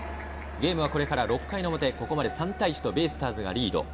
ゲームはこれから６回の表、ここまで３対１とベイスターズがリード。